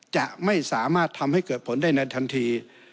จะไม่สามารถทำให้เกิดผลได้ในทันที